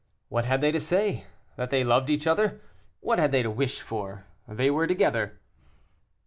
What had they to say? That they loved each other. What had they to wish for? They were together.